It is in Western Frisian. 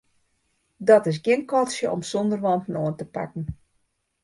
Dat is gjin katsje om sûnder wanten oan te pakken.